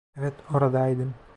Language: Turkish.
Evet, oradaydım.